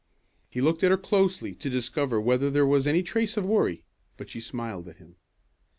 He looked at her closely to discover whether there was any trace of worry, but she smiled at him.